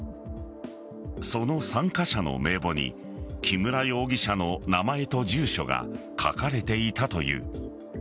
その参加者の名簿に木村容疑者の名前と住所が書かれていたという。